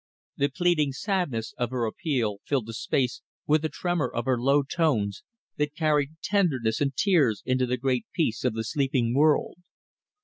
The pleading sadness of her appeal filled the space with the tremor of her low tones, that carried tenderness and tears into the great peace of the sleeping world.